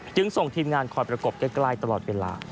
จึงส่งทีมงานคอยประกบใกล้ตลอดเวลา